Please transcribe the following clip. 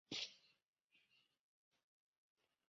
宋太祖孝惠贺皇后之侄。